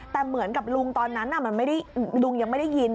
แต่เหมือนกับลุงตอนนั้นอ่ะมันไม่ได้ลุงยังไม่ได้ยิน